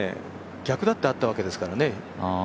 逆だってあったわけですからね。